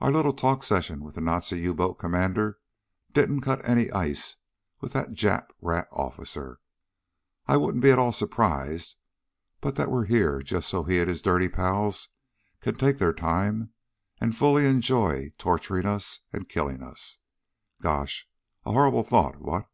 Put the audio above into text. Our little talk session with the Nazi U boat commander didn't cut any ice with that Jap rat officer. I wouldn't be at all surprised but that we're here just so's he and his dirty pals can take their time and fully enjoy torturing us and killing us. Gosh! A horrible thought, what?"